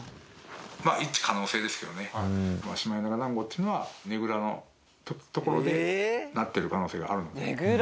まあ１つの可能性ですけどね、シマエナガだんごっていうのは、ねぐらの所でなってる可能性があるので。